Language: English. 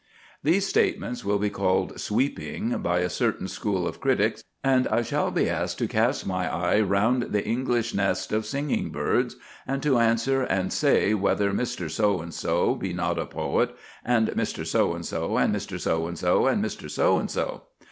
These statements will be called sweeping by a certain school of critics, and I shall be asked to cast my eye round the English nest of singing birds, and to answer and say whether Mr. So and so be not a poet, and Mr. So and so, and Mr. So and so, and Mr. So and so.